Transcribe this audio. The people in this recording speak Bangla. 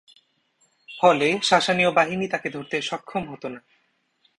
ফলে সাসানীয় বাহিনী তাকে ধরতে সক্ষম হত না।